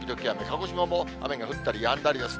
鹿児島も雨が降ったりやんだりです。